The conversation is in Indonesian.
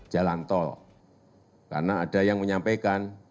jalan tol karena ada yang menyampaikan